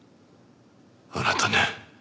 あなたね。